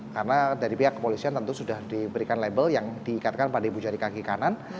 karena dari pihak koalisian tentu sudah diberikan label yang diikatkan pada ibu jari kaki kanan